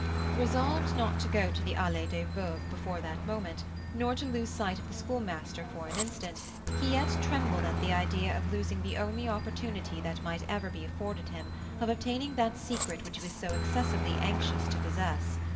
Resolved not to go to the Allée des Veuves before that moment, nor to lose sight of the Schoolmaster for an instant, he yet trembled at the idea of losing the only opportunity that might ever be afforded him of obtaining that secret which he was so excessively anxious to possess.